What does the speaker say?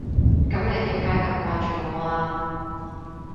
噉你點解咁掛住我啊？